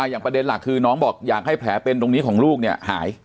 อย่างประเด็นหลักคือน้องบอกอยากให้แผลเป็นตรงนี้ของลูกเนี่ยหาย